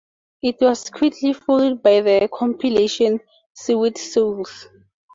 It was quickly followed by the compilation "Sewed Soles".